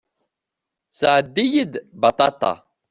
Sɛeddi-yi-d baṭaṭa.